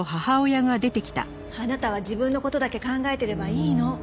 あなたは自分の事だけ考えてればいいの。